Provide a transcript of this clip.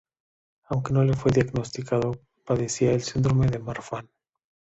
Aunque no le fue diagnosticado, padecía el síndrome de Marfan.